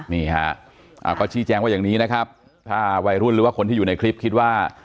นี่ฮะเขาชี้แจงว่าอย่างนี้นะครับถ้าวัยรุ่นหรือว่าคนที่อยู่ในคลิปคิดว่า